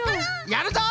やるぞ！